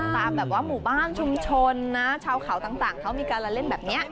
ตามแบบว่าหมู่บ้านชุมชนนะชาวเขาต่างเขามีการละเล่นแบบนี้